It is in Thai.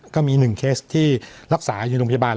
ก็มี๑เคสที่รักษาอยู่โรงพยาบาล